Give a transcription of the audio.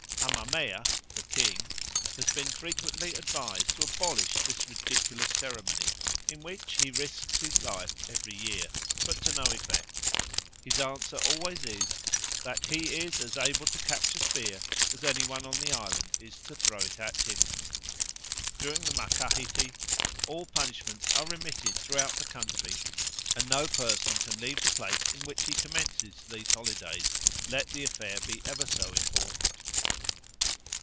Hamamea [the king] has been frequently advised to abolish this ridiculous ceremony, in which he risks his life every year; but to no effect. His answer always is, that he is as able to catch a spear as any one on the island is to throw it at him. During the Macahity, all punishments are remitted throughout the country; and no person can leave the place in which he commences these holidays, let the affair be ever so important."